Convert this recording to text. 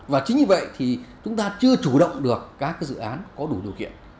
và chính vì vậy thì chúng ta chưa chủ động được các dự án có đủ điều kiện